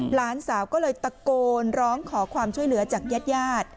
หลานสาวก็เลยตะโกนร้องขอความช่วยเหลือจากญาติญาติ